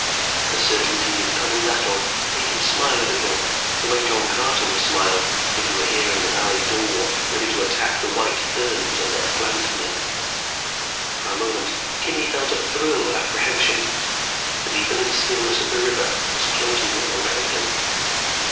The certainty of coming battle made him smile a little, the way John Carter would smile if he were here in the Valley Dor ready to attack the white Therns and their Plant Men. For a moment, Kimmy felt a thrill of apprehension. The deepening stillness of the river was closing in around him.